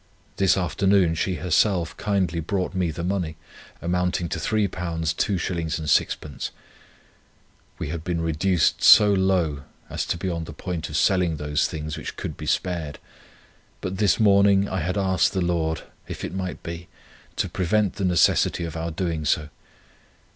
This afternoon she herself kindly brought me the money, amounting to £3 2s. 6d. We had been reduced so low as to be on the point of selling those things which could be spared; but this morning I had asked the Lord, if it might be, to prevent the necessity, of our doing so.